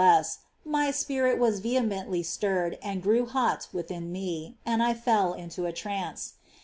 less, my spirit was vehemently stirred and grew hot within me,^ and I fell into a trance.